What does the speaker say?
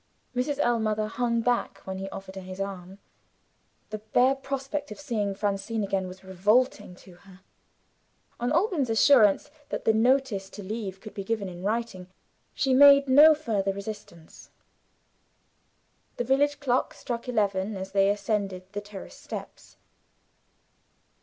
Mrs. Ellmother hung back, when he offered her his arm. The bare prospect of seeing Francine again was revolting to her. On Alban's assurance that the notice to leave could be given in writing, she made no further resistance. The village clock struck eleven as they ascended the terrace steps.